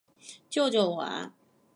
救救我啊！